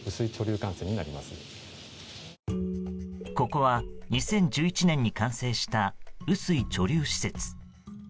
ここは２０１１年に完成した雨水貯留施設。